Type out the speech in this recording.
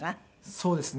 そうですね。